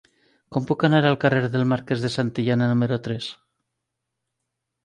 Com puc anar al carrer del Marquès de Santillana número tres?